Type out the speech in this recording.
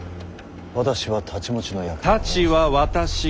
私は太刀持ちの役目を。